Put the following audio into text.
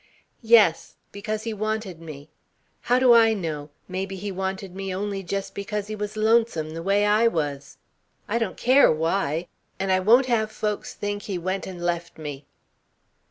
"Yes! Because he wanted me. How do I know maybe he wanted me only just because he was lonesome, the way I was. I don't care why! And I won't have folks think he went and left me."